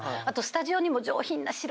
あとスタジオにも。